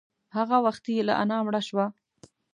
هغه وختي لا انا مړه شوه.